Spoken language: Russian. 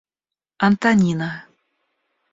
Антонина